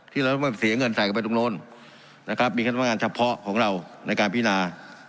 ที่เราต้องเสียเงินใส่กันไปตรงโน้นนะครับมีคณะพนักงานเฉพาะของเราในการพินา